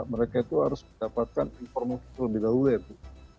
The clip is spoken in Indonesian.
mereka itu harus mendapatkan informasi terlebih dahulu ya bu